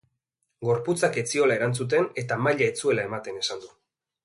Gorputzak ez ziola erantzuten eta maila ez zuela ematen esan du.